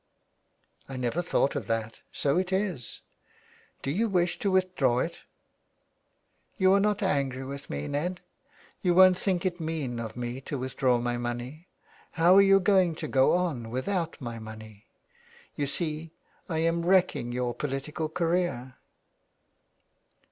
" I never thought of that. So it is. Do you wish to withdraw it ?"" You are not angry with me, Ned ? You won't think it mean of me to withdraw my money ? How are you going to go on without my money ? You see I am wrecking your political career."